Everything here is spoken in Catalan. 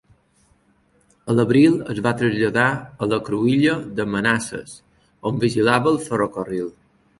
A l'abril es va traslladar a la cruïlla de Mannassas, on vigilava el ferrocarril.